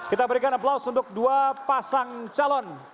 kita berikan aplaus untuk dua pasang calon